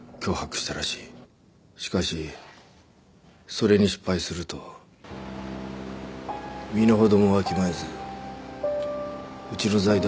しかしそれに失敗すると身のほどもわきまえずうちの財団を脅迫してきた。